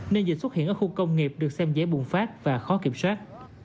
nên dịch xuất hiện ở khu công nghiệp được xem dễ bùng phát và khó kiểm soát